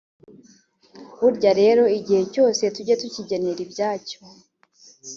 Burya rero buri gihe cyose tujye tukigenera ibyacyo